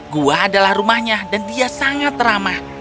gua adalah rumahnya dan dia sangat ramah